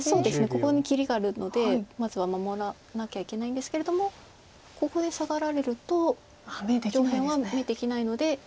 ここに切りがあるのでまずは守らなきゃいけないんですけれどもここでサガられると上辺は眼できないので。